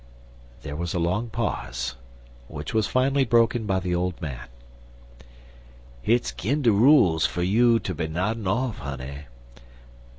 There was a long pause, which was finally broken by the old man: "Hit's 'gin de rules fer you ter be noddin' yer, honey.